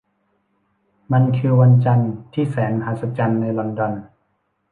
มันคือวันจันทร์ที่แสนมหัศจรรย์ในลอนดอน